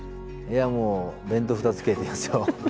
いやもう「弁当２つ食え」と言いますよ。